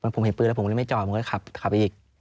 ผมเห็นปืนแล้วผมก็เลยไม่จอดผมก็เลยขับไปอีก